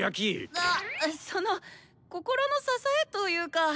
あっその心の支えというか。